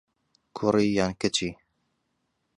کوڕی یان کچی؟